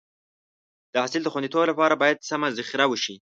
د حاصل د خونديتوب لپاره باید سمه ذخیره وشي.